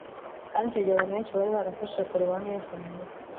kandi icyo gihe abantu benshi bari barafashe korowani yose mu mutwe